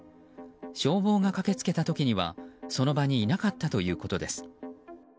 消防が駆け付けた時にはその場にいなかったということです。